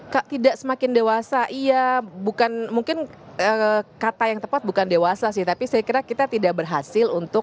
kak tidak semakin dewasa iya bukan mungkin kata yang tepat bukan dewasa sih tapi saya kira kita tidak berhasil untuk